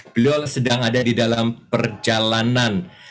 beliau sedang ada di dalam perjalanan